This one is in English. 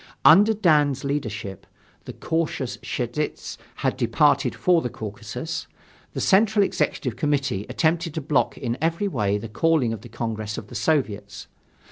Under Dan's leadership (the cautious Cheidze had departed for the Caucasus), the Central Executive Committee attempted to block in every way the calling of the Congress of the Soviets.